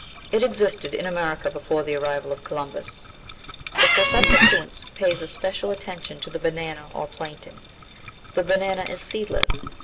It existed in America before the arrival of Columbus. But Professor Kuntze pays especial attention to the banana, or plantain. The banana is seedless.